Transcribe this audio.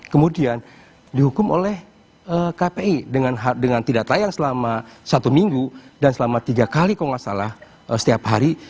kemudian dihukum oleh kpi dengan tidak tayang selama satu minggu dan selama tiga kali kalau nggak salah setiap hari